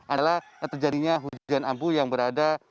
adalah terjadinya hujan ampuh yang berada